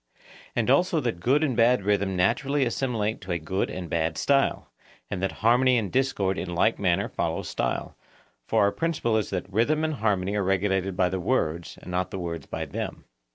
And also that good and bad rhythm naturally assimilate to a good and bad style; and that harmony and discord in like manner follow style; for our principle is that rhythm and harmony are regulated by the words, and not the words by them.